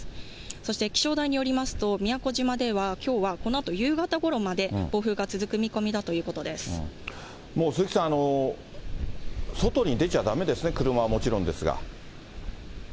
そして気象台によりますと、宮古島ではきょうはこのあと夕方ごろまで、暴風が続く見込みだともう鈴木さん、外に出ちゃだめですね、車はもちろんですが。